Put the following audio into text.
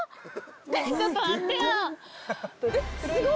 すごい！